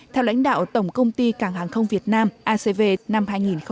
theo lãnh đạo tổng công ty cảng hàng không việt nam acv năm hai nghìn một mươi chín